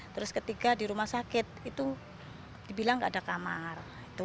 terus ketiga di rumah sakit itu dibilang nggak ada kamar